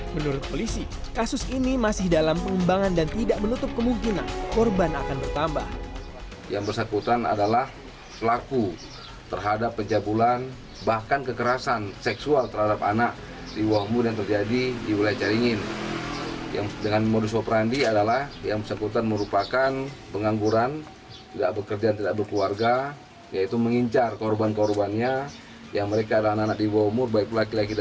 menurut polisi kasus ini masih dalam pengembangan dan tidak menutup kemungkinan korban akan bertambah